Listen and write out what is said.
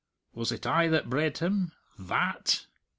Was it I that bred him? _That!